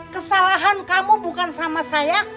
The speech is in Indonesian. kesalahan kamu bukan sama saya